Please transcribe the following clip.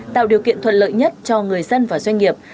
tạo điều kiện thuận lợi nhất cho người dân và doanh nghiệp